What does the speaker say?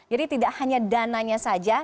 jadi tidak hanya dananya saja